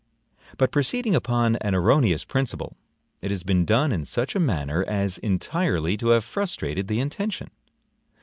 But proceeding upon an erroneous principle, it has been done in such a manner as entirely to have frustrated the intention.